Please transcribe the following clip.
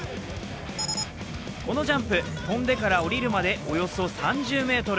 このジャンプ、跳んでから降りるまでおよそ３０ｍ。